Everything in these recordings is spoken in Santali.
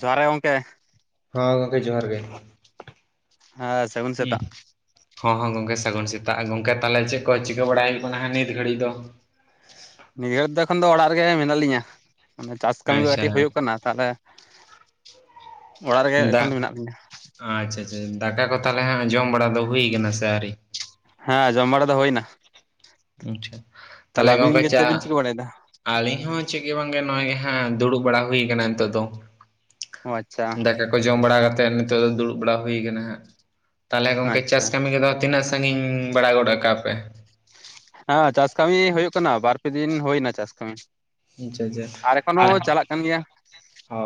ᱡᱚᱦᱟᱨᱮ ᱜᱚᱝᱠᱮ? ᱦᱚᱸ, ᱜᱚᱝᱠᱮ ᱡᱚᱦᱟᱨ ᱜᱮ ᱾ ᱦᱮᱹᱸ,. ᱟᱹᱜᱩᱱ ᱥᱮᱛᱟᱜ ᱦᱚᱸ ᱦᱚᱸ ᱜᱚᱝᱠᱮ ᱥᱟᱹᱜᱩᱱ ᱥᱮᱛᱟᱜ, ᱜᱚᱝᱠᱮ ᱛᱟᱦᱚᱞᱮ ᱪᱮᱫ ᱠᱚ ᱪᱤᱠᱟᱹ ᱵᱟᱲᱟᱭ ᱦᱩᱭᱩᱜ ᱠᱟᱱᱟ ᱱᱤᱛ ᱜᱷᱟᱹᱲᱤᱜ ᱫᱚ? ᱱᱤᱭᱟᱹᱜᱷᱟᱹᱲᱤᱜ ᱫᱚ ᱮᱠᱷᱚᱱ ᱫᱚ ᱚᱲᱟᱜ ᱨᱮᱜᱮ ᱢᱮᱱᱟᱜ ᱞᱤᱧᱟᱹ ᱚᱱᱮ ᱪᱟᱥ ᱠᱟᱹᱢᱤ ᱟᱪᱪᱷᱟ ᱠᱟᱹᱴᱤᱜ ᱦᱩᱭᱩᱜ ᱠᱟᱱᱟ᱾ ᱛᱟᱦᱚᱞᱮ ᱚᱲᱟᱜ ᱨᱮᱜᱮ ᱮᱠᱷᱚᱱ ᱫᱟᱜ ᱫᱚ ᱢᱮᱱᱟᱜ ᱞᱤᱧᱟ᱾ ᱟᱪᱪᱷᱟ ᱟᱪᱪᱷᱟ ᱪᱷᱟ ᱫᱠᱟ ᱠᱚ ᱛᱟᱦᱚᱞᱮ ᱦᱟᱸᱜ ᱡᱚᱢ ᱵᱟᱲᱟ ᱫᱚ ᱦᱩᱭᱩᱭ ᱠᱟᱱᱟ ᱥᱮ ᱟᱹᱣᱨᱤ? ᱦᱮᱸ ᱡᱚᱢ ᱵᱟᱲᱟ ᱫᱚ ᱦᱩᱭᱱᱟ᱾ ᱟᱪᱪᱷᱟ, ᱛᱟᱦᱚᱞᱮ ᱟᱹᱵᱤᱱ ᱜᱚᱝᱠᱮ ᱜᱮ ᱪᱟ ᱪᱮᱫ ᱵᱤᱱ ᱪᱤᱠᱟᱹ ᱵᱟᱲᱟᱭᱮᱫᱟ ᱟᱹᱞᱤᱧ ᱦᱚᱸ ᱪᱮᱜᱮ ᱵᱟᱝ ᱜᱮ ᱱᱚᱜᱼᱚᱭ ᱜᱮ ᱦᱟᱸᱜ ᱫᱩᱲᱩᱵ ᱵᱟᱲᱟ ᱦᱩᱭᱩ ᱠᱟᱱᱟ ᱱᱤᱛᱚᱜ ᱫᱚ᱾ ᱚ ᱟᱪᱪᱷᱟ ᱫᱟᱠᱟ ᱠᱚ ᱡᱚᱢ ᱵᱟᱲᱟ ᱠᱟᱛᱮ ᱱᱤᱛᱚᱜ ᱫᱚ ᱫᱩᱲᱩᱵ ᱵᱟᱲᱟ ᱦᱩᱭ ᱠᱟᱱᱟ ᱦᱟᱸᱜ᱾ ᱛᱟᱦᱚᱞᱮ ᱜᱚᱝᱠᱮ ᱟᱪᱪᱷᱟ ᱪᱟᱥ ᱠᱟᱹᱢᱤ ᱠᱚᱫᱚ ᱛᱤᱱᱟᱹᱜ ᱥᱟᱺᱜᱤᱧ ᱵᱟᱲᱟ ᱜᱚᱰ ᱠᱟᱜ ᱯᱮ? ᱦᱮᱸ, ᱪᱟᱥ ᱠᱟᱹᱢᱤ ᱦᱩᱭᱩᱜ ᱠᱟᱱᱟ ᱵᱟᱨᱯᱮ ᱫᱤᱱ ᱦᱩᱭᱱᱟ ᱪᱟᱥ ᱠᱟᱹᱢᱤ᱾ ᱟᱪᱪᱷᱟ ᱟᱪᱪᱷᱟ ᱟᱨᱮ ᱠᱷᱚᱱ ᱟᱨ ᱦᱚᱸ ᱪᱟᱞᱟᱜ ᱠᱟᱱ ᱜᱮᱭᱟ᱾ ᱚ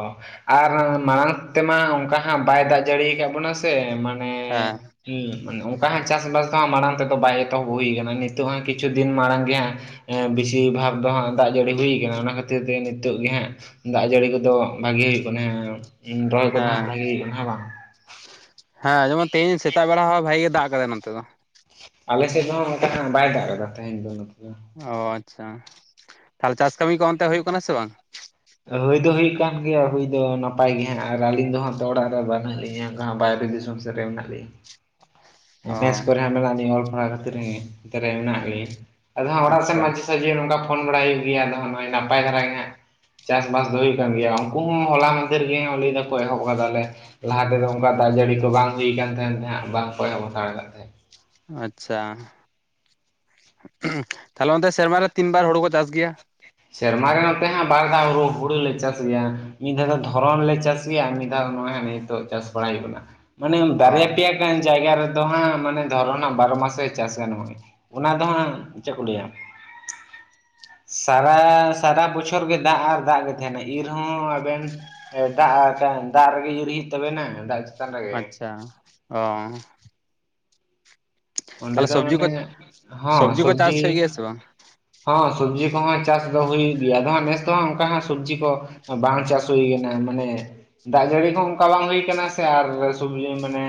ᱟᱨ ᱢᱟᱲᱟᱝ ᱛᱮᱢᱟ ᱚᱱᱠᱟ ᱦᱟᱸᱜ ᱵᱟᱭ ᱫᱟᱜ ᱡᱟᱹᱲᱤᱭᱟ ᱟᱠᱟᱫ ᱵᱚᱱᱟ ᱥᱮ ᱢᱟᱲᱟᱝ ᱾ ᱦᱮᱸ ᱾ ᱦᱮᱸ ᱢᱮ ᱚᱱᱠᱟ ᱦᱟᱸᱜ ᱪᱟᱥᱵᱟᱥ ᱫᱚ ᱦᱟᱸᱜ ᱢᱟᱲᱟᱝ ᱛᱮᱫᱚ ᱵᱟᱭ ᱮᱛᱚᱦᱚᱵ ᱦᱩᱭ ᱟᱠᱟᱱᱟ, ᱱᱤᱛᱚᱜ ᱦᱚᱸ ᱠᱤᱪᱷᱩ ᱫᱤᱱ ᱢᱟᱲᱟᱝ ᱜᱮ ᱦᱟᱸᱜᱼᱼ ᱦᱮᱸ ᱵᱮᱥᱤ ᱵᱷᱟᱜ ᱫᱚ ᱦᱟᱸᱜ ᱫᱟᱜ ᱡᱟᱹᱲᱤ ᱦᱩᱭᱼᱼ ᱠᱟᱱᱟ ᱚᱱᱟ ᱠᱷᱟᱹᱛᱤᱨ ᱛᱮ ᱱᱤᱛᱚᱜ ᱜᱮ ᱦᱟᱸᱜ ᱫᱟᱜ ᱡᱟᱹᱲᱤ ᱠᱚᱫᱚ ᱵᱷᱟᱜᱮ ᱦᱩᱭᱩᱜ ᱠᱟᱱᱟ᱾ ᱨᱚᱦᱚᱭ ᱜᱚᱫ ᱦᱟᱸᱜ ᱦᱮᱸ ᱵᱷᱟᱹᱜᱤ ᱦᱩᱭᱩᱜ ᱠᱟᱱᱟ ᱦᱮᱸ ᱵᱟᱝ? ᱦᱮᱸ, ᱡᱮᱢᱚᱱ ᱛᱮᱦᱤᱧ ᱥᱮᱛᱟᱜ ᱵᱮᱲᱟ ᱦᱚᱸ ᱵᱷᱟᱜᱤ ᱜᱮ ᱫᱟᱜ ᱠᱟᱫᱟᱭ ᱱᱚᱛᱮ ᱫᱚ᱾ ᱟᱞᱮ ᱥᱮᱫ ᱫᱚ ᱱᱚᱠᱟ ᱫᱚ ᱦᱟᱸᱜ ᱵᱟᱭ ᱫᱟᱜ ᱠᱟᱫᱟ ᱛᱟᱦᱮᱧ ᱫᱚ ᱱᱚᱛᱮ ᱫᱚ᱾ ᱚ ᱟᱪᱪᱷᱟ ᱾ ᱛᱟᱦᱚᱞᱮ ᱪᱟᱥ ᱠᱟᱹᱢᱤ ᱠᱚ ᱚᱱᱛᱮ ᱦᱩᱭᱩᱜ ᱠᱟᱱᱟ ᱥᱮ ᱵᱟᱝ? ᱦᱩᱭ ᱫᱚ ᱦᱩᱭᱩᱜ ᱠᱟᱱ ᱜᱮᱭᱟ ᱦᱩᱭ ᱫᱚ ᱱᱟᱯᱟᱭ ᱜᱮ ᱦᱟᱸᱜ ᱟᱨ ᱟᱹᱞᱤᱧ ᱫᱚ ᱦᱟᱸᱜ ᱛᱚ ᱚᱲᱟᱜ ᱨᱮ ᱵᱟᱹᱱᱩᱜ ᱞᱤᱧᱟᱹ ᱵᱟᱭᱨᱮ ᱫᱤᱥᱚᱢᱼᱼ ᱨᱮ ᱢᱮᱱᱟᱜ ᱞᱤᱧᱟ᱾ ᱚ ᱵᱮᱥ ᱠᱚᱨᱮ ᱦᱚᱸ ᱢᱮᱱᱟᱜ ᱞᱤᱧ ᱚᱞ ᱯᱟᱲᱦᱟᱣ ᱠᱷᱟᱹᱛᱤᱨ ᱱᱚᱛᱮ ᱨᱮ ᱢᱮᱱᱟᱜ ᱞᱤᱧ᱾ ᱟᱫᱚ ᱦᱟᱸᱜ ᱚᱲᱟᱜ ᱥᱮᱱ ᱟᱪᱪᱷᱟ ᱢᱟᱡᱷᱤ ᱥᱟᱡᱷᱤ ᱱᱚᱝᱼᱠᱟ ᱦᱟᱸᱜ ᱯᱷᱳᱲ ᱵᱟᱲᱟᱭ ᱦᱩᱭᱩᱜ ᱜᱮᱭᱟ, ᱟᱫᱚ ᱱᱚᱜᱼᱚᱭ ᱱᱟᱯᱟᱭ ᱫᱷᱟᱨᱟ ᱜᱮ ᱦᱟᱸᱜ᱾ ᱪᱟᱥ ᱵᱟᱥ ᱫᱚ ᱦᱩᱭᱩᱜ ᱠᱟᱱ ᱜᱮᱭᱟ, ᱩᱱᱠᱩ ᱦᱚᱸ ᱦᱚᱞᱟ ᱢᱟᱫᱷᱮᱨ ᱨᱮ ᱞᱟᱹᱭ ᱮ ᱟᱠᱚ ᱮᱦᱚᱵ ᱠᱟᱫᱟᱞᱮ ᱾ ᱞᱟᱦᱟ ᱛᱮᱫᱚ ᱚᱱᱠᱟ ᱫᱟᱜ ᱡᱟᱹᱲᱤ ᱠᱚ ᱵᱟᱝ ᱦᱩᱭ ᱟᱠᱟᱱ ᱛᱟᱦᱮᱸ ᱛᱮ ᱵᱟᱝᱠᱚ ᱮᱦᱚᱵ ᱦᱟᱛᱟᱲ ᱟᱠᱟᱫ ᱛᱟᱦᱮᱸᱫ᱾ ᱟᱪᱪᱷᱟ᱾ ᱛᱟᱦᱞᱮ ᱚᱱᱛᱮ ᱥᱮᱨᱢᱟ ᱨᱮ ᱛᱤᱱ ᱵᱟᱨ ᱦᱩᱲᱩ ᱠᱚ ᱪᱟᱥ ᱜᱮᱭᱟ? ᱥᱮᱨᱢᱟ ᱨᱮ ᱱᱚᱛᱮ ᱦᱟᱸᱜ ᱵᱟᱨ ᱫᱷᱟᱹᱣ ᱦᱩᱲᱩ ᱦᱩᱲᱩᱞᱮ ᱪᱟᱥ ᱜᱮᱭᱟ, ᱢᱤᱫ ᱫᱷᱟᱹᱣ ᱫᱚ ᱫᱷᱚᱨᱚᱱ ᱞᱮ ᱪᱟᱥᱼᱼ ᱪᱟᱥ, ᱢᱤᱫ ᱫᱷᱟᱹᱣ ᱱᱚᱜᱼᱚᱭ ᱦᱟᱸᱜ ᱱᱤᱛᱚᱜ ᱪᱟᱥ ᱵᱟᱲᱟᱭ ᱦᱩᱭᱩᱜ ᱠᱟᱱᱟ ᱾ ᱢᱟᱱᱮ ᱚ ᱵᱟᱨᱭᱟ ᱯᱮᱭᱟ ᱜᱟᱱ ᱡᱟᱭᱜᱟ ᱨᱮ᱾ ᱫᱚ ᱦᱟᱸᱜ ᱢᱟᱱᱮ ᱫᱷᱚᱨᱚ ᱱᱟ ᱵᱟᱨᱚ ᱢᱟᱥᱮ ᱪᱟᱥᱟ ᱱᱚᱜᱼᱚᱭ ᱚᱱᱟ ᱫᱚ ᱦᱟᱸᱜ ᱪᱮᱫ ᱠᱚ ᱞᱟᱹᱭᱟᱼᱼ ᱥᱟᱨᱟ ᱥᱟᱨᱟ ᱵᱚᱪᱷᱚᱨ ᱜᱮ ᱫᱟᱜ ᱟᱨ ᱫᱟᱜ ᱜᱮ ᱛᱟᱦᱮᱱᱟ ᱤᱨ ᱦᱚᱸ ᱟᱵᱮᱱᱼᱼ ᱦᱮᱸ ᱫᱟᱜ ᱫᱟᱜ ᱨᱮᱜᱮ ᱤᱨ ᱦᱩᱭᱩᱜ ᱛᱟᱵᱮᱱᱟ ᱫᱟᱜᱼᱼ ᱟᱪᱪᱷᱟ ᱚᱻ ᱚᱸᱰᱮ ᱛᱟᱦᱚᱞᱮ ᱫᱚ ᱥᱚᱵᱽᱡᱤ ᱠᱚ ᱢᱟᱱᱮ ᱦᱚᱸ ᱥᱚᱵᱽᱡᱤ ᱠᱚ ᱥᱚᱵᱡᱤᱼᱼ ᱪᱟᱥ ᱦᱩᱭᱩᱜ ᱜᱮᱭᱟ ᱥᱮ ᱵᱟᱝ? ᱦᱚᱸ ᱥᱚᱵᱽᱡᱤ ᱠᱚᱦᱚᱸ ᱪᱟᱥ ᱫᱚ ᱦᱩᱭᱩᱜ ᱜᱮᱭᱟ ᱟᱫᱚ ᱦᱟᱸᱜ ᱱᱮᱥ ᱫᱚᱦᱟᱜ ᱚᱱᱠᱟ ᱦᱟᱸᱜ ᱥᱚᱵᱡᱤ ᱠᱚᱼᱼ ᱵᱟᱝ ᱪᱟᱥ ᱦᱩᱭ ᱠᱟᱱᱟ ᱢᱟᱱᱮᱼᱼ ᱫᱟᱜ ᱡᱟᱹᱲᱤ ᱦᱚᱸ ᱚᱱᱠᱟ ᱵᱟᱝ ᱦᱩᱭ ᱟᱠᱟᱱᱟ ᱥᱮ ᱟᱨ ᱥᱚᱵᱡᱤ ᱢᱟᱱᱮᱼᱼ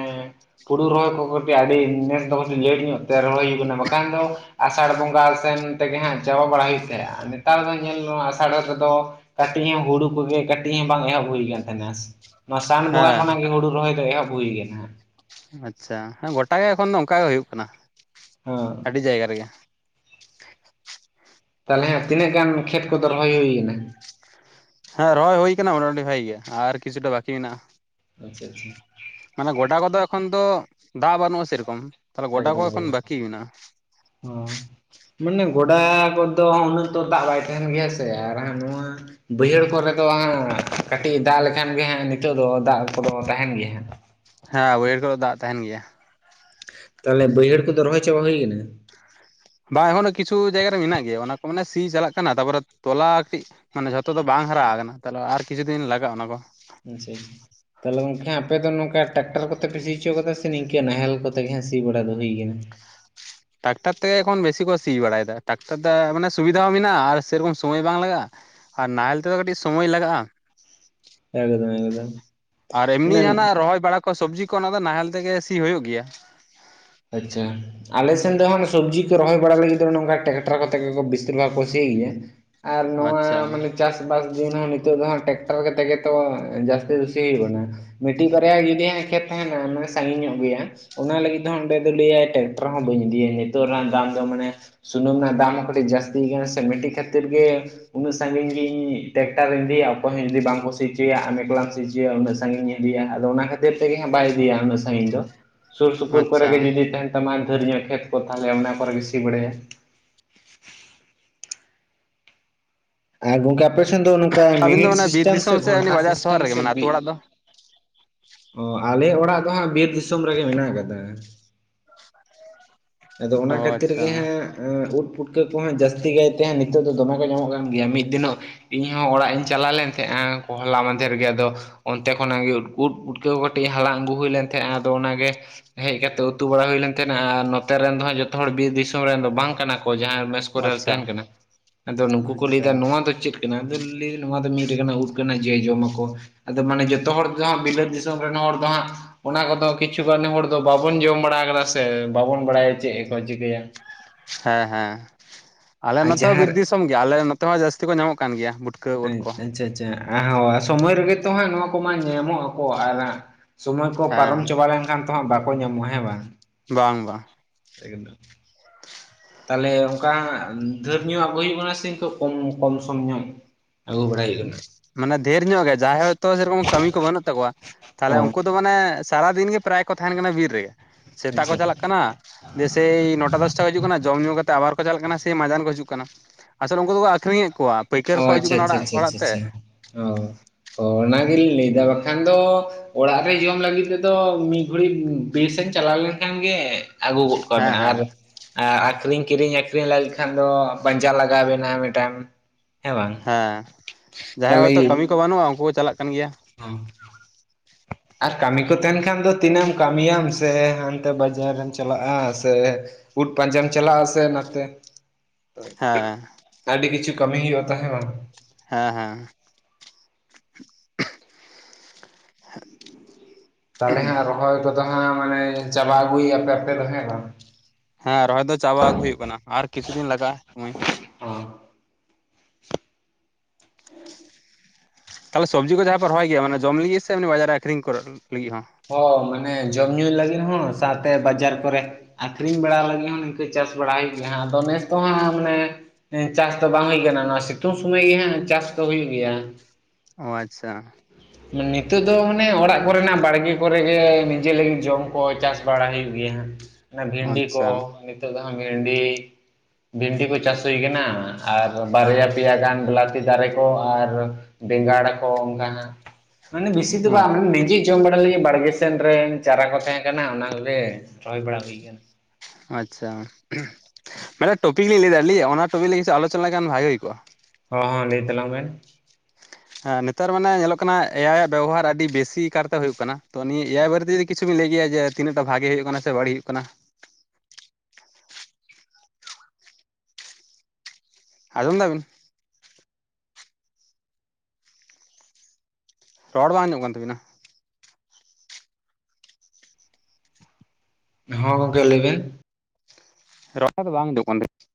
ᱦᱩᱲᱩ ᱨᱚᱦᱚᱭ ᱠᱚ ᱠᱟᱴᱤᱡ ᱟᱹᱰᱤ ᱱᱮᱥ ᱫᱚ ᱞᱮᱴ ᱧᱚᱜ ᱛᱮ ᱨᱚᱦᱚᱭ ᱦᱩᱭᱩᱜ ᱠᱟᱱᱟ ᱵᱟ ᱠᱷᱟᱱ ᱫᱚ ᱟᱥᱟᱲ ᱵᱚᱸᱜᱟ ᱥᱮᱱ ᱛᱮᱜᱮ ᱦᱟᱸᱜ ᱪᱟᱵᱟ ᱵᱟᱲᱟ ᱦᱩᱭᱩᱜ ᱛᱟᱦᱮᱸᱫᱼᱟ᱾ ᱱᱮᱛᱟᱨ ᱫᱚ ᱧᱮᱞ ᱟᱥᱟᱲ ᱨᱮᱫᱚ ᱠᱟᱹᱴᱤᱡ ᱦᱚᱸ ᱦᱩᱲᱩ ᱠᱚᱜᱮ ᱠᱟᱹᱴᱤᱡ ᱦᱚᱸ ᱵᱟᱝ ᱮᱦᱚᱵ ᱦᱩᱭ ᱠᱟᱱᱟᱱ ᱛᱟᱦᱮᱱᱟ᱾ ᱱᱚᱣᱟ ᱥᱟᱱ ᱵᱚᱸᱜᱟ ᱦᱮᱸ ᱠᱷᱚᱱᱟᱜ ᱜᱮ ᱦᱩᱲᱩ ᱨᱚᱦᱚᱭ ᱫᱚ ᱮᱦᱚᱵ ᱦᱩᱭ ᱠᱟᱱᱟ᱾ ᱟᱪᱪᱷᱟ ᱦᱮᱸ ᱜᱚᱴᱟ ᱜᱮ ᱮᱠᱷᱚᱱ ᱫᱚ ᱚᱱᱠᱟ ᱜᱮ ᱦᱩᱭᱩᱜ ᱠᱟᱱᱟ᱾ ᱦᱮᱸᱻ ᱟᱹᱰᱤ ᱡᱟᱭᱜᱟ ᱨᱮᱜᱮ ᱛᱟᱦᱚᱞᱮ ᱦᱮ ᱛᱤᱱᱟᱹᱜ ᱜᱟᱱ ᱠᱷᱮᱛ ᱠᱚᱫᱚ ᱨᱚᱦᱚᱭ ᱦᱩᱭ ᱟᱠᱟᱱᱟ? ᱦᱮᱸ ᱨᱚᱦᱚᱭ ᱦᱩᱭ ᱟᱠᱟᱱᱟ ᱢᱚᱴᱟᱡᱩᱴᱤ ᱵᱷᱟᱜᱤ ᱜᱮ ᱟᱨ ᱠᱤᱪᱷᱩᱴᱟ ᱵᱟᱠᱤ ᱢᱮᱱᱟᱜᱼᱟ᱾ [unintelligible] ᱢᱟᱱᱮ ᱜᱚᱰᱟ ᱠᱚᱫᱚ ᱮᱠᱷᱚᱱ ᱫᱚ ᱫᱟᱜ ᱵᱟᱹᱱᱩᱜᱼᱟ ᱥᱮᱨᱚᱠᱚᱢ ᱛᱟᱦᱚᱞᱮ ᱜᱚᱰᱟ ᱠᱚ ᱮᱠᱫᱚᱢ ᱮᱠᱷᱚᱱ ᱮᱠᱫᱚᱢ ᱵᱟᱹᱠᱤ ᱢᱮᱱᱟᱜᱼᱟ ᱦᱚᱸ ᱢᱟᱱᱮ ᱜᱚᱰᱟ ᱠᱚᱫᱚ ᱩᱱᱟᱹᱜ ᱛᱚ ᱫᱟᱜ ᱵᱟᱭ ᱛᱟᱦᱮᱱ ᱜᱮᱭᱟ ᱥᱮ ᱟᱨ ᱦᱟᱸᱜ ᱱᱚᱣᱟᱼᱼ ᱵᱟᱹᱭᱦᱟᱹᱲ ᱠᱚᱨᱮ ᱫᱚ ᱦᱟᱸᱜ ᱠᱟᱹᱴᱤᱡ ᱫᱟᱜ ᱞᱮᱠᱷᱟᱱ ᱜᱮ ᱦᱟᱸᱜ ᱱᱤᱛᱚᱜ ᱫᱚ ᱫᱟᱜ ᱠᱚᱫᱚ ᱛᱟᱦᱮᱱ ᱜᱮᱭᱟ ᱦᱟᱸᱜ᱾ ᱦᱮᱸ ᱵᱟᱹᱭᱦᱟᱹᱲ ᱠᱚᱨᱮ ᱫᱟᱜ ᱛᱟᱦᱮᱱ ᱜᱮᱭᱟ᱾ ᱛᱟᱦᱚᱞᱮ ᱵᱟᱹᱭᱦᱟᱹᱲ ᱠᱚᱫᱚ ᱨᱚᱦᱚᱭ ᱪᱟᱵᱟ ᱦᱩᱭ ᱠᱟᱱᱟ? ᱵᱟᱝ ᱮᱠᱷᱚᱱᱳ ᱠᱤᱪᱷᱩ ᱡᱟᱭᱜᱟ ᱨᱮ ᱢᱮᱱᱟᱜ ᱜᱮᱭᱟ ᱚᱱᱟ ᱠᱚ ᱢᱮᱟᱱᱮ ᱥᱤ ᱪᱟᱞᱟᱜ ᱠᱟᱱᱟ ᱛᱟᱯᱚᱨᱮ ᱛᱚᱞᱟ ᱠᱟᱹᱴᱤᱡ ᱢᱟᱱᱮ ᱡᱷᱚᱛᱚ ᱫᱚ ᱵᱟᱝ ᱦᱟᱨᱟ ᱟᱠᱟᱱᱟ ᱛᱟᱦᱚᱞᱮ ᱟᱨ ᱠᱤᱪᱷᱩ ᱫᱤᱱ ᱞᱟᱜᱟᱜᱼᱟ ᱚᱱᱟ ᱠᱚ᱾ ᱦᱮ ᱥᱮ [inaudible] ᱛᱟᱦᱚᱞᱮ ᱜᱚᱝᱠᱮ ᱦᱥᱸᱜ ᱟᱯᱮ ᱫᱚ ᱱᱚᱝᱠᱟ ᱴᱨᱟᱠᱴᱟᱨ ᱠᱚᱛᱮ ᱯᱮ ᱥᱤ ᱦᱚᱪᱚ ᱠᱟᱫᱟ ᱥᱮ ᱱᱤᱝᱠᱟ ᱱᱟᱦᱮᱞ ᱠᱚᱛᱮᱜ ᱜᱮ ᱦᱟᱸᱜ ᱥᱤ ᱵᱟᱲᱟ ᱫᱚ ᱦᱩᱭᱟ ᱟᱠᱟᱱᱟ᱾ ᱴᱟᱠᱴᱟᱨ ᱛᱮᱜᱮ ᱮᱠᱷᱚᱱ ᱵᱮᱥᱤ ᱠᱚ ᱥᱤ ᱵᱟᱲᱟᱭᱮᱫᱟ ᱴᱟᱠᱴᱟᱨ ᱫᱚ ᱢᱟᱱᱮ ᱥᱩᱵᱤᱫᱷᱟ ᱦᱚᱸ ᱢᱮᱱᱟᱜᱼᱟ ᱟᱨ ᱥᱮᱨᱚᱠᱚᱢ ᱥᱚᱢᱚᱭ ᱵᱟᱝ ᱞᱟᱜᱟᱜᱼᱟ᱾ ᱟᱨ ᱱᱟᱦᱮᱞ ᱛᱮᱫᱚ ᱠᱟᱹᱴᱤᱡ ᱥᱚᱢᱳᱚᱭ ᱞᱟᱜᱟᱜᱼᱟ᱾ ᱮᱠᱫᱟᱢ ᱮᱠᱫᱟᱢ᱾ ᱟᱨ ᱮᱢᱱᱤ ᱡᱟᱦᱟᱸᱱᱟᱜ ᱨᱚᱦᱚᱭ ᱵᱟᱲᱟ ᱠᱚ ᱥᱚᱵᱽᱡᱤ ᱠᱚ ᱚᱱᱟ ᱫᱚ ᱱᱟᱦᱮᱞ ᱛᱮᱜᱮ ᱥᱤ ᱦᱚᱭᱳᱜ ᱜᱮᱭᱟ᱾ ᱟᱪᱪᱷᱟ᱾ ᱟᱞᱮ ᱥᱮᱱ ᱫᱚ ᱦᱟᱸᱝ ᱥᱚᱵᱽᱡᱤ ᱠᱚ ᱨᱚᱦᱚᱭ ᱵᱟᱲᱟ ᱞᱟᱹᱜᱤᱫ ᱫᱚ ᱱᱚᱝᱠᱟ ᱴᱨᱟᱠᱴᱟᱨ ᱠᱚᱛᱮ ᱜᱮ ᱵᱤᱥᱤᱨ ᱵᱷᱟᱜᱽ ᱠᱚ ᱥᱤ ᱜᱮᱭᱟ᱾ ᱟᱨ ᱱᱚᱣᱟ ᱟᱪᱪᱷᱟ ᱢᱟᱱᱮ ᱪᱟᱥᱵᱟᱥ ᱫᱤᱱ ᱦᱚᱸ ᱱᱤᱛᱚᱜ ᱫᱚ ᱦᱟᱸᱜ ᱴᱮᱠᱴᱟᱨ ᱠᱟᱛᱮ ᱜᱮ ᱛᱚ ᱡᱟᱹᱥᱛᱤ ᱫᱚ ᱥᱤ ᱦᱩᱭᱩᱜ ᱠᱟᱱᱟ᱾ ᱢᱤᱫᱴᱤᱡ ᱵᱟᱨᱭᱟ ᱡᱩᱫᱤ ᱦᱟᱸᱜ ᱠᱷᱮᱛ ᱛᱟᱦᱮᱱᱟ ᱢᱟᱱᱮ ᱥᱟᱺᱜᱤᱧ ᱧᱚᱜ ᱜᱮᱭᱟ ᱦᱟᱸᱜ, ᱚᱱᱟ ᱞᱟᱹᱜᱤᱫ ᱚᱸᱰᱮ ᱫᱚ ᱞᱟᱹᱭᱟᱭ ᱴᱨᱟᱠᱴᱟᱨ ᱦᱚᱸ ᱵᱟᱹᱧ ᱤᱫᱤᱭᱟ ᱱᱤᱛᱚᱜ ᱨᱮᱱᱟᱜ ᱫᱟᱢ ᱫᱚ ᱢᱟᱱᱮ ᱥᱩᱱᱩᱢ ᱨᱮᱱᱟᱜ ᱫᱟᱢ ᱦᱚᱸ ᱠᱟᱹᱴᱤᱡ ᱡᱟᱹᱥᱛᱤᱭ ᱠᱟᱱᱟ ᱥᱮ ᱢᱤᱫᱴᱤᱡ ᱠᱷᱟᱹᱛᱤᱨ ᱜᱮ ᱩᱱᱟᱹᱜ ᱥᱟᱺᱜᱤᱧ ᱜᱤᱧ ᱴᱮᱠᱴᱟᱨᱤᱧ ᱤᱫᱤᱭᱟ ᱚᱠᱚᱭ ᱦᱚᱸ ᱡᱩᱫᱤ ᱵᱟᱝ ᱠᱚ ᱥᱤᱪᱚᱭᱟ ᱟᱢ ᱮᱠᱞᱟᱢ ᱥᱤᱪᱚᱭᱟ ᱩᱱᱟᱹᱜ ᱥᱟᱜᱤᱧ ᱤᱫᱤᱭᱟ ᱦᱟᱸᱜ ᱟᱫᱚ ᱚᱱᱟ ᱠᱷᱟᱹᱛᱤᱨ ᱛᱮᱜᱮ ᱦᱟᱸᱜ ᱵᱟᱭ ᱤᱫᱤᱭᱟ ᱩᱱᱟᱹᱜ ᱥᱟᱜᱤ ᱫᱚ᱾ ᱥᱩᱨ ᱥᱩᱯᱩᱨ ᱠᱚᱨᱮ ᱟᱪᱪᱷᱟ ᱜᱮ ᱡᱩᱫᱤ ᱛᱟᱦᱮᱱ ᱛᱟᱢᱟ ᱫᱷᱮᱨ ᱧᱚᱜ ᱠᱷᱮᱛ ᱠᱚ ᱛᱟᱦᱚᱞᱮ ᱚᱱᱟ ᱠᱚᱨᱮ ᱜᱮ ᱥᱤᱵᱲᱟᱭᱟ᱾ ᱟᱨ ᱜᱚᱝᱠᱮ ᱟᱯᱮᱥᱮᱱ ᱫᱚ ᱱᱚᱝᱠᱟ ᱟᱹᱵᱤᱱ ᱫᱚ ᱢᱤᱱᱤᱴ ᱢᱟᱱᱮ ᱵᱤᱨ ᱥᱤᱥᱴᱮᱢ ᱥᱮ ᱫᱤᱥᱚᱢ ᱩᱱᱤ ᱜᱷᱚᱱᱴᱟ ᱵᱟᱡᱟᱨ ᱥᱚᱦᱚᱨ ᱥᱤᱥᱴᱮᱢ ᱨᱮᱜᱮ ᱥᱮ ᱢᱟᱱᱮ ᱵᱤ ᱟᱹᱛᱩ ᱚᱲᱟᱜ ᱫᱚ ᱚ ᱟᱞᱮ ᱚᱲᱟᱜ ᱫᱚ ᱦᱟᱸᱜ ᱵᱤᱨ ᱫᱤᱥᱚᱢ ᱨᱮᱜᱮ ᱢᱮᱱᱟᱜ ᱠᱟᱫᱟ᱾ ᱟᱫᱚ ᱚᱱᱟ ᱚ ᱠᱷᱟᱹᱛᱤᱨ ᱟᱪᱪᱷᱟ ᱜᱮ ᱦᱟᱸᱜ ᱟᱸᱜ ᱩᱫᱽ ᱯᱷᱩᱴᱠᱟᱹ ᱠᱚ ᱦᱟᱸᱜ ᱡᱟᱹᱥᱛᱤ ᱠᱟᱭᱛᱮ ᱦᱟᱸᱜ ᱱᱤᱛᱚᱜ ᱫᱚ ᱫᱚᱢᱮ ᱠᱚ ᱧᱟᱢᱚᱜ ᱠᱟᱱ ᱜᱮᱭᱟ᱾ ᱢᱤᱫ ᱫᱤᱱᱚᱜ ᱤᱧᱦᱚᱸ ᱚᱲᱟᱜ ᱤᱧ ᱪᱟᱞᱟᱣ ᱞᱮᱱ ᱛᱟᱦᱮᱜ-ᱟ ᱦᱚᱞᱟ ᱢᱟᱫᱷᱮᱨ ᱜᱮ ᱟᱫᱚ ᱚᱱᱛᱮ ᱠᱷᱚᱱᱟᱜ ᱜᱮ ᱩᱫᱽ ᱩᱴᱠᱟᱹ ᱠᱚ ᱠᱟᱹᱴᱤᱡ ᱦᱟᱞᱟᱝ ᱟᱜᱩ ᱦᱩᱭ ᱞᱮᱱ ᱛᱟᱦᱮᱸᱜᱼᱟ ᱟᱫᱚ ᱚᱱᱟ ᱜᱮ ᱦᱮᱡ ᱠᱟᱛᱮ ᱩᱛᱩ ᱵᱟᱲᱟ ᱦᱩᱭ ᱞᱮᱱ ᱛᱟᱦᱮᱱᱟ ᱟᱨ ᱱᱚᱛᱮ ᱨᱮᱱ ᱫᱚ ᱦᱟᱸᱜ ᱡᱚᱛᱚ ᱦᱚᱲ ᱵᱤᱨ ᱫᱤᱥᱚᱢ ᱨᱮᱱ ᱫᱚ ᱵᱟᱝ ᱠᱟᱱᱟ ᱠᱚ ᱡᱟᱦᱟᱸᱭ ᱢᱮᱥ ᱠᱚᱨᱮ ᱞᱮ ᱟᱪᱪᱷᱟ ᱛᱟᱦᱮᱱ ᱠᱟᱱᱟ᱾ ᱟᱫᱚ ᱱᱩᱠᱩ ᱠᱚ ᱟᱪᱪᱷᱟ ᱞᱟᱹᱭᱫᱟ ᱱᱚᱣᱟ ᱫᱚ ᱪᱮᱫ ᱠᱟᱱᱟ ᱟᱫᱚ ᱞᱟᱹᱭ ᱱᱚᱣᱟ ᱫᱚ ᱢᱤᱫ ᱞᱮᱠᱟᱱᱟᱜ ᱩᱫᱽ ᱠᱟᱱᱟ ᱡᱮ ᱡᱚᱢ ᱟᱠᱚ᱾ ᱟᱫᱚ ᱢᱟᱱᱮ ᱡᱚᱛᱚ ᱦᱚᱲ ᱫᱚ ᱦᱟᱸᱜ ᱵᱤᱞᱟᱹᱛ ᱫᱤᱥᱚᱢ ᱨᱮᱱ ᱦᱚᱲ ᱫᱚ ᱦᱟᱸᱜ ᱚᱱᱟ ᱠᱚᱫᱚ ᱠᱤᱪᱷᱩᱜᱟᱱᱤ ᱦᱚᱲ ᱫᱚ ᱵᱟᱵᱚᱱ ᱡᱚᱢ ᱵᱟᱲᱟ ᱠᱟᱫᱟ ᱥᱮ ᱵᱟᱵᱚᱱ ᱵᱟᱲᱟᱭᱟ ᱪᱮᱫ ᱠᱚ ᱪᱤᱠᱟᱹᱭᱟ᱾ ᱦᱮᱸ ᱦᱮᱸ ᱟᱞᱮ ᱟᱨ ᱱᱚᱛᱮ ᱦᱚᱸ ᱵᱤᱨ ᱡᱟᱦᱟᱸ ᱫᱤᱥᱚᱢ ᱜᱮ ᱟᱞᱮ ᱱᱚᱛᱮ ᱦᱚᱸ ᱡᱟᱹᱥᱛᱤ ᱠᱚ ᱧᱟᱢᱚᱜ ᱠᱟᱱ ᱜᱮᱭᱟ ᱵᱩᱴ ᱦᱟᱸᱧ ᱟᱪᱪᱷᱟ ᱟᱪᱪᱷᱟ ᱟ ᱦᱚᱸ ᱥᱚᱢᱚᱭ ᱨᱮᱜᱮ ᱛᱚ ᱦᱟᱸᱜ ᱱᱚᱣᱟ ᱠᱚᱢᱟ ᱧᱟᱢᱚᱜ ᱟᱠᱚ ᱟᱨ ᱥᱚᱢᱚᱭ ᱠᱚ ᱯᱟᱨᱚᱢ ᱦᱮᱸ ᱪᱟᱵᱟ ᱞᱮᱱᱠᱷᱟᱱ ᱛᱚ ᱦᱟᱸᱜ ᱵᱟᱠᱚ ᱧᱟᱢᱚᱜᱼᱟ ᱦᱮᱸ ᱵᱟᱝ᱾ ᱵᱟᱝ ᱵᱟᱝ᱾ [inaudible] ᱛᱟᱦᱞᱮ ᱚᱱᱠᱟᱱᱟᱜ ᱫᱷᱟᱹᱨ ᱧᱚᱜ ᱟᱜᱩᱭ ᱦᱩᱭᱩᱜ ᱠᱟᱱᱟ ᱥᱮ ᱤᱝᱠᱟᱹ ᱠᱚᱢ ᱠᱚᱢ ᱥᱚᱢ ᱧᱚᱜ᱾ ᱟᱜᱩ ᱵᱟᱲᱟᱭ ᱡᱩᱭᱩᱜ ᱢᱟᱱᱮ ᱰᱷᱮᱨ ᱧᱚᱜ ᱜᱮ᱾ ᱡᱟᱦᱟᱸᱭ ᱦᱚᱳᱭᱛᱳ ᱥᱮᱨᱚᱠᱚᱢ ᱠᱟᱹᱢᱤ ᱠᱚ ᱵᱟᱹᱱᱩᱜ ᱛᱟᱠᱚᱣᱟ ᱚ ᱛᱟᱦᱞᱮ ᱩᱱᱠᱩ ᱫᱚ ᱢᱟᱱᱮ ᱥᱟᱨᱟᱫᱤᱱ ᱜᱮ ᱯᱨᱟᱭ ᱠᱚ ᱛᱟᱦᱮᱱ ᱠᱟᱱᱟ ᱵᱤᱨ ᱨᱮᱜᱮ᱾ ᱥᱮᱛᱟᱜ ᱠᱚ ᱟᱪᱪᱷᱟ ᱪᱟᱞᱟᱜ ᱠᱟᱱᱟ᱾ ᱡᱮᱥᱮᱭ ᱱᱚᱴᱟ ᱫᱚᱥᱴᱟ ᱠᱚ ᱦᱤᱡᱩᱜ ᱠᱟᱱᱟ᱾ ᱡᱚᱢ ᱧᱩ ᱠᱟᱛᱮᱜ ᱟᱵᱟᱨ ᱠᱚ ᱪᱟᱞᱟᱜ ᱠᱟᱱᱟ ᱥᱮ ᱢᱟᱡᱟᱱ ᱠᱚ ᱦᱤᱡᱩᱜ ᱠᱟᱱᱟ᱾ ᱟᱥᱚᱞᱮ ᱩᱱᱠᱩ ᱫᱚᱠᱚ ᱟᱠᱷᱨᱤᱧᱮᱫ ᱠᱚᱣᱟ ᱯᱟᱹᱭᱠᱟᱹᱨ ᱚ ᱠᱚᱠᱚ ᱦᱤᱡᱩᱜ ᱟᱪᱪᱷᱟ ᱟᱪᱪᱷᱟ ᱠᱟᱱᱟ ᱚᱲᱟᱜ᱾ ᱟᱪᱪᱷᱟ ᱟᱪᱪᱷᱟ ᱛᱮ ᱟᱪᱪᱷᱟ ᱚ ᱚᱱᱟᱜᱮᱞᱤᱧ ᱞᱟᱹᱭᱫᱟ ᱵᱟᱠᱷᱟᱱ ᱫᱚ ᱚᱲᱟᱜ ᱨᱮ ᱡᱚᱢ ᱞᱟᱹᱜᱤᱫ ᱛᱮᱫᱚ ᱢᱤᱫ ᱜᱷᱚᱲᱤᱡ ᱵᱤᱨ ᱥᱮᱱ ᱪᱟᱞᱟᱣ ᱞᱮᱱᱠᱷᱟᱱ ᱜᱮ ᱟᱹᱜᱩ ᱜᱚᱫ ᱦᱮᱸ ᱠᱚᱣᱟᱵᱱᱟ ᱦᱮᱸ ᱟᱨ ᱟᱨ ᱟᱠᱷᱨᱤᱧ ᱠᱤᱨᱤᱧ ᱟᱠᱷᱨᱤᱧ ᱞᱟᱹᱜᱤᱫ ᱠᱷᱟᱱ ᱫᱚ ᱯᱟᱸᱡᱟ ᱞᱟᱜᱟᱣ ᱵᱮᱱᱟ ᱢᱤᱫᱴᱟᱝ᱾ ᱦᱮᱸ ᱵᱟᱝ ᱦᱮᱸ ᱡᱟᱦᱟᱸᱭ ᱦᱚᱭᱛᱚ ᱠᱟᱹᱢᱤ ᱠᱚ ᱵᱟᱹᱱᱩᱜᱼᱟ ᱩᱱᱠᱩ ᱠᱚ ᱪᱟᱞᱟᱜ ᱠᱟᱱ ᱜᱮᱭᱟ᱾ ᱚ᱾ ᱟᱨ ᱠᱟᱹᱢᱤ ᱠᱚ ᱛᱟᱦᱮᱱ ᱠᱷᱟᱱ ᱫᱚ ᱛᱤᱱᱟᱹᱜ ᱮᱢ ᱠᱟᱹᱢᱤᱭᱟᱢ ᱥᱮ ᱦᱟᱱᱛᱮ ᱵᱟᱡᱟᱨᱮᱢ ᱪᱟᱞᱟᱜᱼᱟ ᱥᱮ ᱩᱫᱽ ᱯᱟᱸᱡᱟᱢ ᱪᱟᱞᱟᱜ ᱟᱥᱮ ᱱᱟᱛᱮ ᱦᱮᱸ᱾ ᱟᱹᱰᱤ ᱠᱤᱪᱷᱩ ᱠᱟᱹᱢᱤ ᱦᱩᱭᱩᱜᱼᱟ, ᱛᱟᱦᱮᱸ ᱵᱟᱝ? ᱦᱮᱸ ᱦᱮᱸ᱾ [inaudible] ᱛᱟᱦᱚᱞᱮ ᱦᱟᱸᱜ ᱨᱚᱦᱚᱭ ᱠᱚᱫᱚ ᱦᱟᱸᱜ ᱢᱟᱱᱮ ᱪᱟᱵᱟ ᱟᱹᱜᱩᱭ ᱟᱯᱮ ᱦᱮᱸ ᱵᱟᱝ? ᱦᱮᱸ ᱨᱚᱦᱚᱭ ᱫᱚ ᱪᱟᱵᱟ ᱟᱹᱜᱩ ᱦᱩᱭᱩᱜ ᱠᱟᱱᱟ ᱟᱨ ᱠᱤᱪᱷᱩ ᱫᱤᱱ ᱞᱟᱜᱟᱜᱼᱟ ᱦᱚᱸᱭ ᱛᱟᱦᱚᱞᱮ ᱥᱚᱵᱽᱡᱤ ᱠᱚ ᱡᱟᱦᱟᱸ ᱯᱮ ᱨᱚᱦᱚᱭ ᱜᱮᱭᱟ, ᱢᱟᱱᱮ ᱡᱚᱢ ᱞᱟᱹᱜᱤᱫ ᱥᱮ ᱮᱢᱱᱮ ᱵᱟᱡᱟᱨ ᱨᱮ ᱟᱹᱠᱷᱨᱤᱧ ᱠᱚᱨ ᱞᱟᱹᱜᱤᱫ ᱦᱚᱸ? ᱦᱚᱸ ᱢᱟᱱᱮ ᱡᱚᱢ ᱧᱩᱭ ᱞᱟᱹᱜᱤᱫ ᱦᱚᱸ, ᱥᱟᱶᱛᱮ ᱵᱟᱡᱟᱨ ᱠᱚᱨᱮ ᱟᱹᱠᱷᱨᱤᱧ ᱵᱟᱲᱟ ᱞᱟᱹᱜᱤᱫ ᱦᱚᱸ ᱱᱤᱝᱠᱟᱹ ᱪᱟᱥ ᱵᱟᱲᱟᱭ ᱦᱩᱭᱩᱜ ᱜᱮᱭᱟ ᱦᱟᱸᱜ, ᱟᱫᱚ ᱱᱮᱥ ᱫᱚ ᱦᱟᱸ ᱢᱟᱱᱮ ᱪᱟᱥ ᱫᱚ ᱵᱟᱝ ᱦᱩᱭ ᱠᱟᱱᱟ᱾ ᱱᱚᱣᱟ ᱥᱤᱛᱩᱝ ᱥᱩᱢᱚᱭ ᱜᱮ ᱦᱟᱜ ᱪᱟᱥ ᱫᱚ ᱦᱩᱭᱩᱜ ᱜᱮᱭᱟ᱾ ᱚ ᱟᱪᱪᱷᱟ᱾ ᱱᱤᱛᱚᱜ ᱫᱚ ᱢᱟᱱᱮ ᱚᱲᱟᱜ ᱠᱚᱨᱮᱱᱟᱜ ᱵᱟᱲᱜᱮ ᱠᱚᱨᱮ ᱜᱮ ᱱᱤᱡᱮ ᱞᱟᱹᱜᱤᱫ ᱡᱚᱢ ᱠᱚ ᱪᱟᱥ ᱵᱟᱲᱟ ᱦᱩᱭᱩᱜ ᱜᱮᱭᱟ ᱦᱟᱜ, ᱚᱱᱟ ᱵᱷᱤᱱᱰᱤ ᱠᱚ᱾ ᱟᱪᱪᱷᱟ ᱱᱤᱛᱚᱜ ᱫᱚ ᱦᱟᱸᱜ ᱰᱷᱤᱱᱰᱤ ᱵᱷᱤᱱᱰᱤ ᱠᱚ ᱪᱟᱥ ᱦᱩᱭ ᱠᱟᱱᱟ ᱟᱨ ᱵᱟᱨᱭᱟ ᱯᱮᱭᱟ ᱜᱟᱱ ᱵᱤᱞᱟᱹᱛᱤ ᱫᱟᱨᱮ ᱠᱚ ᱟᱨ ᱵᱮᱸᱜᱟᱲ ᱠᱚ, ᱚᱱᱠᱟ ᱦᱟᱜ ᱢᱟᱱᱮ ᱵᱮᱥᱤ ᱫᱚ ᱵᱟᱝ ᱢᱟᱱᱮ ᱱᱤᱡᱮ ᱡᱚᱢ ᱵᱟᱲᱟ ᱞᱟᱜᱤ ᱵᱟᱲᱜᱮ ᱥᱮᱱ ᱨᱮᱱ ᱪᱟᱨᱟ ᱠᱚ ᱛᱮᱦᱮᱸ ᱠᱟᱱᱟ᱾ ᱚᱱᱟ ᱠᱚᱜᱮ ᱨᱚᱦᱚᱭ ᱵᱟᱲᱟ ᱦᱩᱭ ᱠᱟᱱᱟ᱾ ᱟᱪᱪᱷᱟ, ᱢᱟᱱᱮ ᱴᱚᱯᱤᱠ ᱞᱤᱧ ᱞᱟᱹᱭ ᱮᱫᱟ ᱟᱹᱞᱤ ᱚᱱᱟ ᱴᱚᱯᱤᱠ ᱞᱟᱹᱜᱤᱫ ᱥᱮ ᱟᱞᱳᱪᱚᱱᱟ ᱞᱮᱱᱠᱷᱟᱱ ᱵᱷᱟᱹᱜᱤ ᱦᱩᱭ ᱠᱚᱜᱼᱟ? ᱦᱚᱸ ᱦᱚᱸ ᱞᱟᱹᱭ ᱛᱟᱞᱟᱝ ᱢᱮᱱ ᱦᱮᱸ ᱱᱮᱛᱟᱨ ᱢᱟᱱᱮ ᱧᱮᱞᱚᱜ ᱠᱟᱱᱟ ᱮᱟᱭᱭᱟᱜ ᱵᱮᱵᱚᱦᱟᱨ ᱟᱹᱰᱤ ᱵᱮᱥᱤ ᱠᱟᱨᱛᱮ ᱦᱩᱭᱩᱜ ᱠᱟᱱᱟ ᱛᱚ, ᱱᱤᱭᱟᱹ ᱮ ᱟᱭ ᱵᱟᱹᱨᱛᱤ ᱠᱤᱪᱷᱩᱵᱤᱱ ᱞᱟᱹᱭ ᱜᱮᱭᱟ ᱡᱮ ᱛᱤᱱᱟᱹᱜ ᱴᱟ ᱵᱷᱟᱹᱜᱮ ᱦᱩᱭᱩᱜ ᱠᱟᱱᱟ ᱥᱮ ᱵᱟᱹᱲᱤᱡ ᱦᱩᱭᱩᱜ ᱠᱟᱱᱟ? ᱟᱡᱚᱢ ᱮᱫᱟ ᱵᱤᱱ? ᱨᱚᱲ ᱵᱟᱝ ᱟᱸᱡᱚᱢᱚᱜ ᱠᱟᱱ ᱛᱟᱠᱤᱱᱟ᱾ ᱦᱚ ᱜᱚᱢᱠᱮ ᱞᱟᱹᱭ ᱵᱮᱱ᱾ ᱨᱚᱲ ᱫᱚ ᱵᱟᱝ ᱦᱤᱡᱩᱜ ᱠᱟᱱ ᱛᱟᱵᱤᱱ?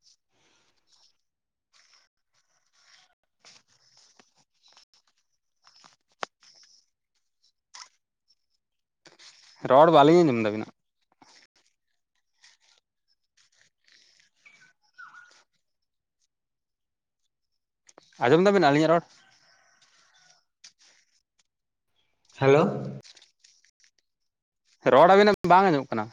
ᱨᱚᱲ ᱵᱟᱞᱤᱧ ᱟᱸᱡᱚᱢ ᱫᱟ ᱟᱵᱤᱱᱟᱜ? ᱟᱸᱡᱚᱢ ᱫᱟᱵᱤᱱ ᱟᱹᱞᱤᱧᱟᱜ ᱨᱚᱲ? ᱦᱮᱞᱳ᱾ ᱨᱚᱲ ᱟᱵᱤᱱᱟᱜ ᱵᱟᱝ ᱟᱸᱡᱚᱜ ᱠᱟᱱᱟ᱾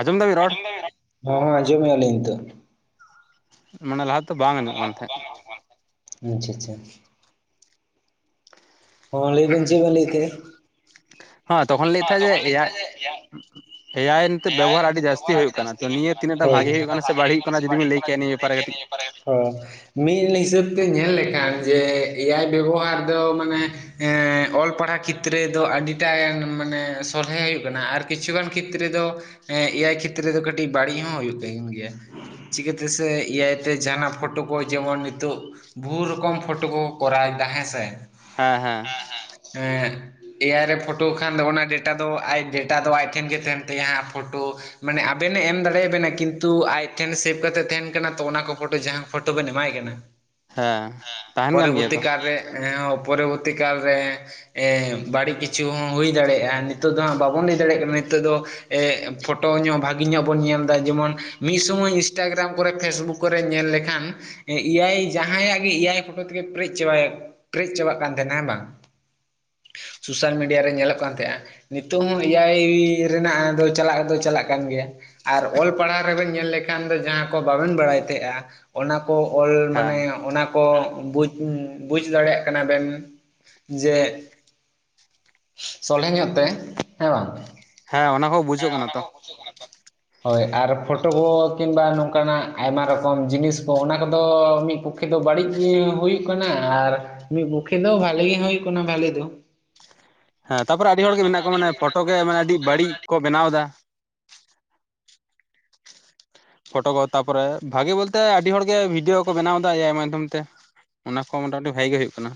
ᱟᱸᱡᱚᱢ ᱮᱫᱟ ᱵᱤᱱ ᱨᱚᱲ? ᱦᱚᱸ ᱦᱚᱸ ᱟᱡᱚᱢ ᱮᱜ ᱟᱹᱞᱤᱧ ᱱᱤᱛᱚᱜ᱾ ᱢᱟᱱᱮ ᱞᱟᱦᱟ ᱛᱮ ᱵᱟᱝ ᱟᱡᱚᱢᱚᱜ ᱠᱟᱱ ᱛᱟᱦᱮᱸᱜ ᱟᱪᱪᱷᱟ, ᱟᱪᱪᱷᱟ᱾ ᱦᱚᱸ ᱞᱮᱭᱵᱤᱱ ᱪᱮᱜ ᱵᱤᱱ ᱞᱮᱭᱮᱜ ᱛᱟᱦᱮᱸᱜ? ᱦᱚᱸ ᱛᱚᱠᱷᱚᱱ ᱞᱮᱭᱮᱜ ᱛᱟᱦᱮᱸᱜ ᱡᱮ ᱮᱟᱭ ᱮᱭᱟᱭ ᱵᱮᱵᱚᱦᱟᱨ ᱟᱹᱰᱤ ᱡᱟᱹᱥᱛᱤ ᱦᱩᱭᱩᱜ ᱠᱟᱱᱟ ᱛᱚ᱾ ᱱᱤᱭᱟᱹ ᱛᱤᱱᱟᱹᱜᱴᱟᱝ ᱵᱷᱟᱹᱜᱮ ᱦᱳᱭᱳᱜ ᱠᱟᱱᱟ ᱥᱮ ᱵᱟᱹᱲᱤᱜ ᱦᱩᱭᱩᱜ ᱠᱟᱱᱟ᱾ ᱡᱩᱫᱤᱵᱤᱱ ᱞᱮᱭ ᱠᱮᱭᱟ ᱱᱤᱭᱟᱹ ᱵᱮᱯᱟᱨᱮ ᱠᱟᱹᱴᱤᱡ? ᱚ ᱢᱤᱜ ᱦᱤᱥᱟᱹᱵ ᱛᱮ ᱧᱮᱞ ᱞᱮᱠᱷᱟᱱ ᱡᱮ ᱮᱭᱟᱭ ᱵᱮᱵᱚᱦᱟᱨ ᱫᱚ ᱢᱟᱱᱮ ᱮ ᱚᱞ ᱯᱟᱲᱟ ᱠᱷᱮᱛᱨᱮ ᱫᱚ ᱟᱹᱰᱤᱴᱟᱜ ᱢᱟᱱᱮ ᱥᱚᱞᱦᱮ ᱦᱩᱭᱩᱜ ᱠᱟᱱᱟ ᱟᱨ ᱠᱤᱪᱷᱩ ᱜᱟᱱ ᱠᱷᱮᱛᱨᱮ ᱠᱷᱮᱛᱨᱮ ᱫᱚ ᱮᱭᱟᱭ ᱠᱷᱮᱛᱨᱮ ᱨᱮᱫᱚ ᱠᱟᱹᱴᱤᱜ ᱵᱟᱹᱲᱤᱜ ᱦᱚᱸ ᱦᱩᱭᱩᱜ ᱛᱟᱦᱮᱱ ᱜᱮᱭᱟ᱾ ᱪᱤᱠᱟᱹᱛᱮᱥᱮ ᱮᱟᱭᱛᱮ ᱡᱟᱦᱟᱱᱟᱜ ᱯᱷᱚᱴᱚ ᱠᱚ ᱡᱮᱢᱚᱱ ᱱᱤᱛᱳᱜ ᱵᱚᱦᱩ ᱨᱚᱠᱚᱢ ᱯᱷᱳᱴᱳ ᱠᱚ ᱠᱚᱨᱟᱣᱫᱟ ᱦᱮᱸᱥᱮ᱾ ᱦᱮᱸ ᱦᱮᱸ᱾ ᱮᱭᱟᱭ ᱨᱮ ᱯᱷᱳᱴᱳ ᱠᱷᱟᱱ ᱫᱚ ᱚᱱᱟ ᱰᱮᱴᱟ ᱫᱚ ᱟᱭ ᱰᱮᱴᱟ ᱫᱚ ᱟᱡᱽ ᱴᱷᱮᱱ ᱜᱮ ᱛᱟᱦᱮᱱ ᱮᱭᱟᱭ ᱟᱜ ᱯᱷᱳᱴᱳ ᱢᱟᱱᱮ ᱟᱵᱮᱱ ᱮᱢ ᱫᱟᱲᱮᱭ ᱟᱵᱮᱱᱟ, ᱠᱤᱱᱛᱩ ᱟᱡ ᱴᱷᱮᱱ ᱥᱮᱵᱷ ᱠᱟᱛᱮᱫ ᱛᱟᱦᱮᱱ ᱠᱟᱱᱟ ᱛᱚ᱾ ᱚᱱᱟ ᱠᱚ ᱯᱷᱚᱴᱚ ᱡᱟᱦᱟᱸ ᱯᱷᱴᱫᱚᱵᱮᱱ ᱮᱢᱟᱭ ᱠᱟᱱᱟ, ᱦᱮᱸ ᱛᱟᱦᱮᱱ ᱠᱟᱱ ᱜᱮᱭᱟ ᱯᱚᱨᱚᱵᱚᱨᱛᱤ ᱛᱚ ᱠᱟᱞᱨᱮ ᱦᱮᱸ ᱦᱚᱸ ᱯᱚᱨᱚᱵᱚᱨᱛᱤ ᱠᱟᱞ ᱨᱮ ᱮᱸ, ᱵᱟᱹᱲᱤᱡ ᱠᱤᱪᱷᱩ ᱦᱚᱸ ᱦᱩᱭ ᱫᱟᱲᱮᱭᱟᱜ-ᱟ ᱱᱤᱛᱳᱜ ᱫᱚ ᱦᱟᱸᱜ ᱵᱟᱵᱚᱱ ᱞᱮᱭ ᱫᱟᱲᱮᱭᱟᱜ ᱠᱟᱱᱟ ᱱᱤᱛᱳᱜ ᱫᱚ᱾ ᱮᱸ, ᱯᱷᱚᱴᱳ ᱧᱚᱜ ᱵᱷᱟᱹᱜᱤ ᱧᱚᱜ ᱵᱚᱱ ᱧᱮᱞᱫᱟ ᱡᱮᱢᱚᱱ ᱢᱤᱫ ᱥᱳᱢᱳᱭ ᱤᱱᱥᱴᱟᱜᱨᱟᱢ ᱠᱚᱨᱮ ᱯᱷᱮᱥᱵᱩᱠ ᱠᱚᱨᱮ ᱧᱮᱞ ᱞᱮᱠᱷᱟᱱ ᱮᱭᱟᱭ ᱡᱟᱦᱟᱸᱭᱟᱜ ᱜᱮ ᱮᱭᱟᱭ ᱯᱷᱚᱴᱚ ᱛᱮᱜᱮ ᱯᱮᱨᱮᱡ ᱪᱟᱵᱟᱭᱟ᱾ ᱯᱮᱨᱮᱡ ᱪᱟᱵᱟᱜ ᱠᱟᱱ ᱛᱟᱸᱦᱮᱱᱟ ᱦᱮᱸ ᱵᱟᱝ᱾ ᱥᱳᱥᱟᱞ ᱢᱤᱰᱤᱭᱟ ᱨᱮ ᱧᱮᱞᱚᱜ ᱠᱟᱱ ᱛᱟᱦᱮᱸᱜ-ᱟ ᱱᱤᱛᱳᱝ ᱮᱭᱟᱭ ᱨᱮᱱᱟᱜ ᱦᱮᱸ, ᱪᱟᱞᱟᱜ ᱫᱚ ᱪᱟᱞᱟᱜ ᱠᱟᱱ ᱜᱮᱭᱟ ᱟᱨ ᱚᱞ ᱯᱟᱲᱦᱟᱣ ᱨᱮᱵᱮᱱ ᱧᱮᱞ ᱞᱮᱠ ᱠᱷᱟᱱ ᱫᱚ ᱡᱟᱦᱟᱸ ᱠᱚ ᱵᱟᱵᱮᱱ ᱵᱟᱲᱟᱭ ᱛᱟᱦᱮᱸᱜ-ᱟ ᱚᱱᱟ ᱠᱚ ᱚᱞ ᱢᱟᱱᱮ ᱦᱮᱸ ᱚᱱᱟ ᱠᱚ ᱵᱩᱡᱽ, ᱵᱩᱡ ᱫᱟᱲᱮᱭᱟᱜ ᱠᱟᱱᱟ ᱵᱮᱱ ᱡᱮ ᱥᱚᱞᱦᱮ ᱧᱚᱜ ᱛᱮ ᱦᱮᱸ ᱵᱟᱝ? ᱦᱮᱸ ᱚᱱᱟ ᱠᱚ ᱦᱮᱸ ᱵᱩᱡᱚᱜ ᱠᱟᱱᱟ ᱚᱱᱟ ᱛᱚ ᱦᱚᱸ ᱵᱩᱡᱷᱩᱜ ᱠᱟᱱᱟ ᱛᱚ᱾ ᱦᱳᱭ ᱟᱨ ᱯᱷᱚᱴᱚ ᱠᱚ ᱠᱤᱝᱵᱟ ᱱᱚᱝᱠᱟᱱᱟᱜ ᱟᱭᱢᱟ ᱨᱚᱠᱚᱢ ᱡᱤᱱᱤᱥ ᱠᱚ ᱚᱱᱟ ᱠᱚᱫᱚ ᱢᱤᱜ ᱯᱚᱠ ᱯᱚᱠᱠᱷᱮ ᱫᱚ ᱵᱟᱹᱲᱤᱡ ᱜᱮ ᱦᱩᱭᱩᱜ ᱠᱟᱱᱟ ᱟᱨ ᱢᱤᱫ ᱯᱚᱠᱠᱷᱮ ᱫᱚ ᱵᱷᱟᱞᱤ ᱜᱮ ᱦᱳᱭᱳᱜ ᱠᱟᱱᱟ ᱵᱷᱟᱞᱤ ᱫᱚ᱾ ᱦᱮᱸ ᱛᱟᱯᱚᱨᱮ ᱟᱹᱰᱤ ᱦᱚᱲ ᱜᱮ ᱢᱮᱱᱟᱜ ᱠᱚᱣᱟ ᱢᱟᱱᱮ ᱯᱷᱚᱴᱚ ᱜᱮ ᱢᱟᱱᱮ ᱟᱹᱰᱤ ᱵᱟᱹᱲᱤᱡ ᱠᱚ ᱵᱮᱱᱟᱣᱫᱟ᱾ ᱯᱷᱚᱴᱚ ᱠᱚ ᱛᱟᱯᱚᱨᱮ ᱵᱷᱟᱜᱤ ᱵᱚᱞᱛᱮ ᱟᱹᱰᱤ ᱦᱚᱲᱜᱮ ᱵᱷᱤᱰᱭᱳ ᱠᱚ ᱵᱮᱱᱟᱣ ᱫᱟ ᱮᱭᱟᱭ ᱢᱟᱫᱽᱫᱷᱚᱢ ᱛᱮ᱾ ᱚᱱᱟ ᱠᱚ ᱢᱚᱴᱟᱢᱚᱴᱤ ᱵᱷᱟᱜᱤ ᱜᱮ ᱦᱩᱭᱩᱜ ᱠᱟᱱᱟ᱾